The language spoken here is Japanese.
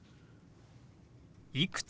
「いくつ？」。